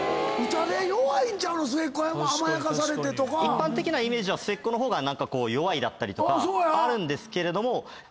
一般的なイメージは末っ子の方が弱いだったりとかあるんですけれども。